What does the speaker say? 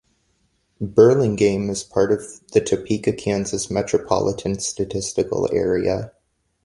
Burlingame is part of the Topeka, Kansas Metropolitan Statistical Area.